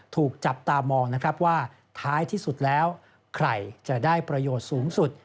ถูกจับตามองนะครับว่าท้ายที่สุดแล้วใครจะได้ประโยชน์สูงสุด